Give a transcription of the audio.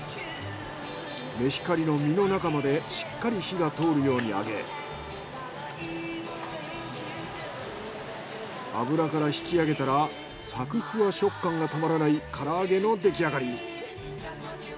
メヒカリの身の中までしっかり火が通るように揚げ油から引き上げたらサクふわ食感がたまらない唐揚げのできあがり。